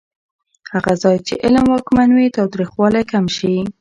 هغه ځای چې علم واکمن وي، تاوتریخوالی کم شي.